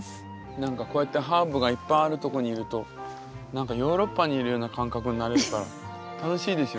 何かこうやってハーブがいっぱいあるとこにいると何かヨーロッパにいるような感覚になれるから楽しいですよね。